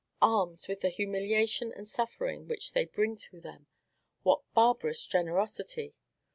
Alms, with the humiliation and suffering which they bring with them! what barbarous generosity!"...